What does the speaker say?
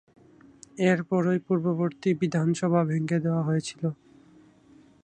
এরপরই পূর্ববর্তী বিধানসভা ভেঙে দেওয়া হয়েছিল।